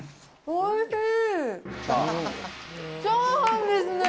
おいしい。